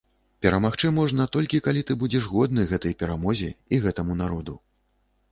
Перамагчы можна толькі, калі ты будзеш годны гэтай перамозе і гэтаму народу.